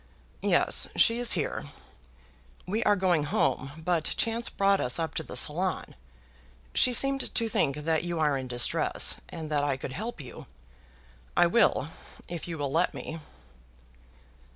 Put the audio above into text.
"Yes; she is here. We are going home, but chance brought us up to the salon. She seemed to think that you are in distress, and that I could help you. I will, if you will let me."